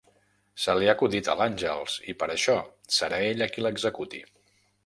Se li ha acudit a l'Àngels, i per això serà ella qui l'executi.